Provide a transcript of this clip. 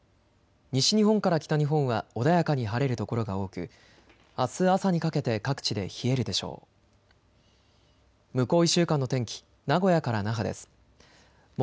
西日本から北日本は穏やかに晴れる所が多くあす朝にかけて各地で冷えるでしょう。